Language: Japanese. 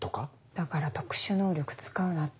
だから特殊能力使うなって。